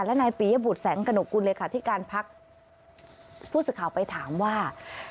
และนายปียบุตรแสงกระหกกุลเลขาธิการพักผู้สื่อข่าวไปถามว่า